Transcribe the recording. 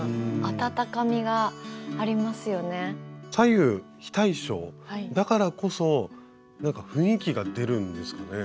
左右非対称だからこそなんか雰囲気が出るんですかね？